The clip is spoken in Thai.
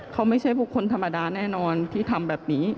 เขาไม่ใช่ผู้คนธรรมดาแน่นอนที่ทำแบบนี้